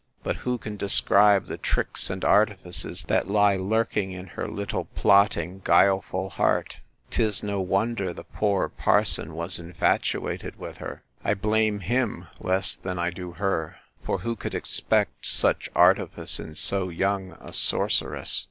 —But who can describe the tricks and artifices, that lie lurking in her little, plotting, guileful heart! 'Tis no wonder the poor parson was infatuated with her.—I blame him less than I do her; for who could expect such artifice in so young a sorceress?